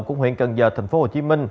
của huyện cần giờ tp hcm